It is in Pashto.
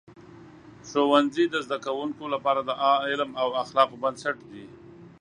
ښوونځي د زده کوونکو لپاره د علم او اخلاقو بنسټ دی.